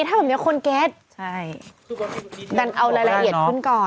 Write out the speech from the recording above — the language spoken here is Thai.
ถ้าแบบนี้คนเก็ตเอารายละเอียดขึ้นก่อนใช่